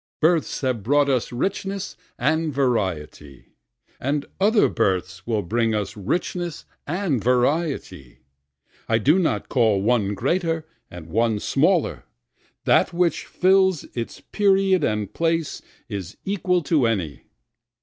Births have brought us richness and variety, And other births will bring us richness and variety. I do not call one greater and one smaller, That which fills its period and place is equal to any.